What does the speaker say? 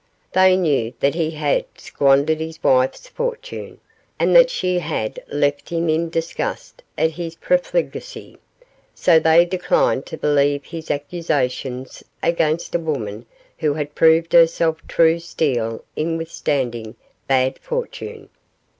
They knew that he had squandered his wife's fortune, and that she had left him in disgust at his profligacy, so they declined to believe his accusations against a woman who had proved herself true steel in withstanding bad fortune.